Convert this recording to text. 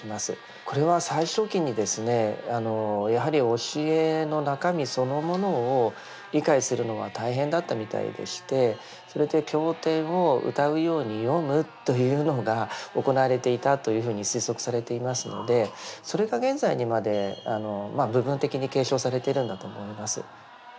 これは最初期にですねやはり教えの中身そのものを理解するのが大変だったみたいでしてそれで経典を歌うように読むというのが行われていたというふうに推測されていますのでそれが現在にまで部分的に継承されてるんだと思います。